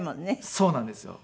そうなんですよ。